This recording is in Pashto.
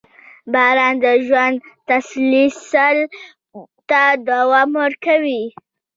• باران د ژوند تسلسل ته دوام ورکوي.